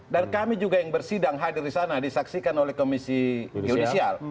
dan kami juga yang bersidang hadir di sana disaksikan oleh komisi judisial